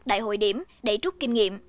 đại hội điểm để trúc kinh nghiệm